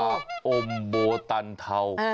ยาโอมโบตันเทา